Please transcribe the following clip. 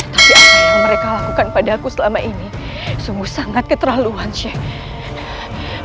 tapi apa yang mereka lakukan pada aku selama ini sungguh sangat keterlaluan chef